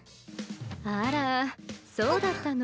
あらそうだったの？